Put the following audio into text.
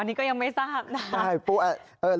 อันนี้ก็ยังไม่ทราบนะ